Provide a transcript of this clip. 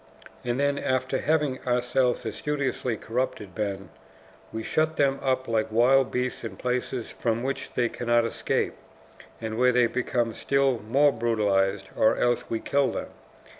And then, after having ourselves assiduously corrupted men, we shut them up like wild beasts in places from which they cannot escape, and where they become still more brutalized, or else we kill them.